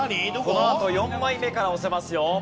このあと４枚目から押せますよ。